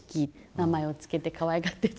名前を付けてかわいがって育てました。